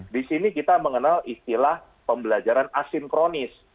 di sini kita mengenal istilah pembelajaran asinkronis